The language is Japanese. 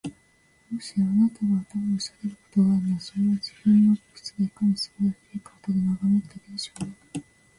もし、あなたが頭を下げることがあるのなら、それは、自分の靴がいかに素晴らしいかをただ眺めるためでしょうね。